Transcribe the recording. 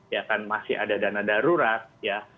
ya kan masih ada dana darurat ya